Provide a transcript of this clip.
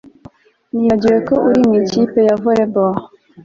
Nibagiwe ko uri mu ikipe ya volley ball